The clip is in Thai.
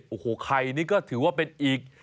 โอ้โหไข่นี่ก็ถือว่าเป็นอีก